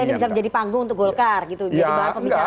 ini bisa menjadi panggung untuk golkar gitu